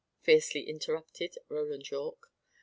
fiercely interrupted Roland Yorke.